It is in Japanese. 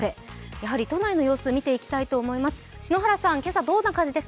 やはり都内の様子、見ていきたいと思います。